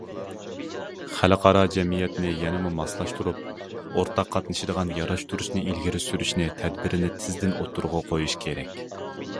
خەلقئارا جەمئىيەتنى يەنىمۇ ماسلاشتۇرۇپ، ئورتاق قاتنىشىدىغان ياراشتۇرۇشنى ئىلگىرى سۈرۈشنى تەدبىرىنى تېزدىن ئوتتۇرىغا قويۇشى كېرەك.